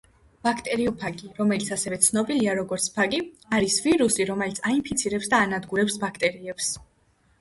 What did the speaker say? ბაქტერიოფაგი, რომელიც ასევე ცნობილია როგორც ფაგი, არის ვირუსი, რომელიც აინფიცირებს და ანადგურებს ბაქტერიებს